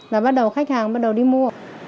là khách hàng bắt đầu đi mua